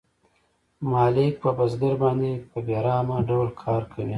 مالک په بزګر باندې په بې رحمانه ډول کار کوي